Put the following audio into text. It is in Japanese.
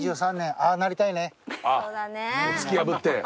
あっ突き破って。